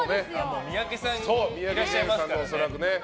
三宅さんがいらっしゃいますからね。